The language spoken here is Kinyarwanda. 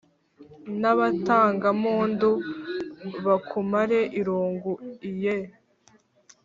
N’abatangampundu bakumare irungu iyeee